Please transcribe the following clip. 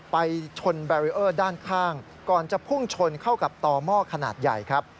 ไปชนแบรีเออร์ด้านข้างก่อนจะพุ่งชนเข้ากับต่อหม้อขนาดใหญ่ครับ